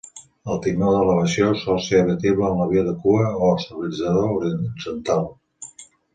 El timó d'elevació sol ser abatible en l'avió de cua o estabilitzador horitzontal.